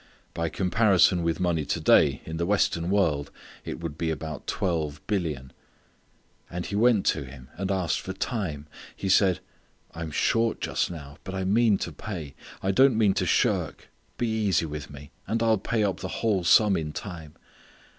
By comparison with money to day, in the western world, it would be about twelve billions. And he went to him and asked for time. He said: "I'm short just now; but I mean to pay; I don't mean to shirk: be easy with me; and I'll pay up the whole sum in time."